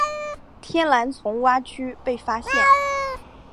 天蓝丛蛙区被发现。